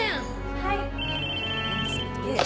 はい。